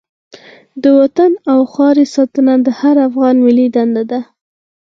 د وطن او خاورې ساتنه د هر افغان ملي دنده ده.